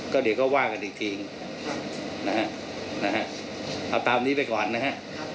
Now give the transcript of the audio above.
ก็เดี๋ยวก็ว่ากันอีกทีนะฮะเอาตามนี้ไปก่อนนะฮะ